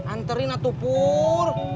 anterin tuh pur